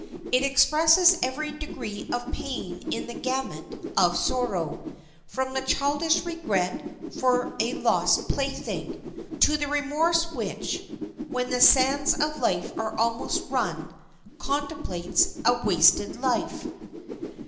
It expresses every degree of pain in the gamut of sorrow, from the childish regret for a lost plaything, to the remorse which, when the sands of life are almost run, contemplates a wasted life.